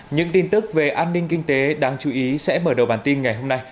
những tin tức về an ninh kinh tế đáng chú ý sẽ mở đầu bản tin ngày hôm nay